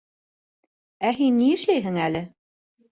Ә һин ни эшләйһең әле?